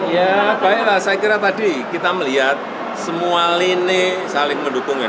ya baiklah saya kira tadi kita melihat semua lini saling mendukung